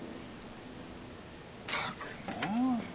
ったくもう。